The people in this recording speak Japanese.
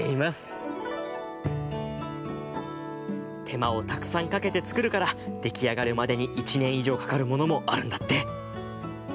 てまをたくさんかけてつくるからできあがるまでに１ねんいじょうかかるものもあるんだって。